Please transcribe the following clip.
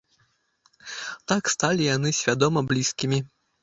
Так сталі яны свядома блізкімі.